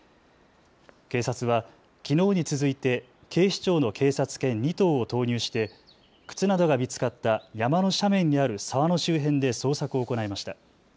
警察はきのうに続いて警視庁の警察犬２頭を投入して靴などが見つかった山の斜面にある沢の周辺で捜索を行いました。